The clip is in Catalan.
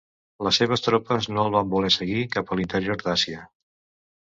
Les seves tropes no el van voler seguir cap a l'interior d'Àsia.